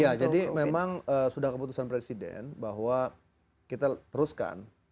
ya jadi memang sudah keputusan presiden bahwa kita teruskan